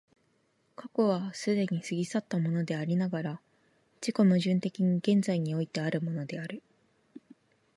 過去は既に過ぎ去ったものでありながら、自己矛盾的に現在においてあるものである。